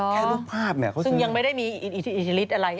แค่รูปภาพเนี่ยเขาซึ่งหรอซึ่งยังไม่ได้มีอิทธิฤทธิ์อะไร